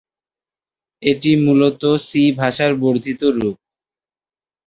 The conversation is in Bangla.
এটি মূলত সি ভাষার বর্ধিত রুপ।